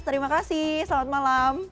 terima kasih selamat malam